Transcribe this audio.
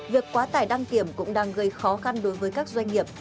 việc quá tải đăng kiểm cũng đang gây khó khăn đối với các doanh nghiệp